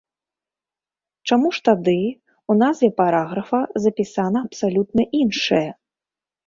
Чаму ж тады ў назве параграфа запісана абсалютна іншае?